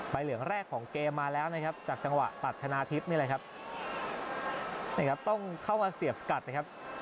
เพราะว่าเสียบสกัดนะครับ